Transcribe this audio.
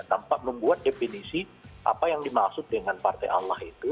tanpa membuat definisi apa yang dimaksud dengan partai allah itu